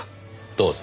どうぞ。